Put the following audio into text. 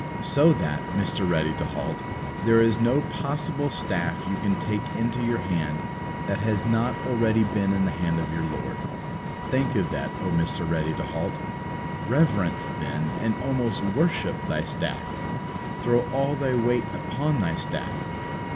So that, Mr. Ready to halt, there is no possible staff you can take into your hand that has not already been in the hand of your Lord. Think of that, O Mr. Ready to halt! Reverence, then, and almost worship thy staff! Throw all thy weight upon thy staff.